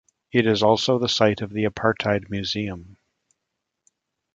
It is also the site of the Apartheid Museum.